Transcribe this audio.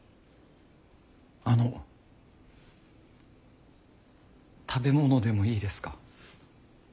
あの食べ物でもいいですか？